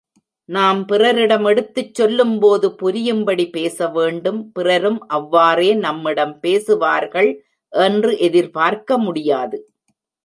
நாம் பிறரிடம் எடுத்துச் சொல்லும்போது புரியும்படி பேச வேண்டும் பிறரும் அவ்வாறே நம்மிடம் பேசுவார்கள் என்று எதிர்பார்க்க முடியாது.